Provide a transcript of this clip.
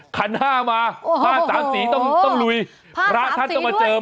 ขันห้ามาพาสามศีรต้องหลุยพระท่านต้องมาเจิม